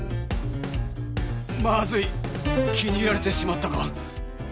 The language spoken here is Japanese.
まずい気に入られてしまったか？